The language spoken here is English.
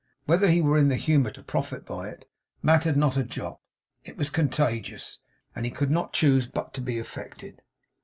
Whether he were in the humour to profit by it, mattered not a jot. It was contagious, and he could not choose but be affected.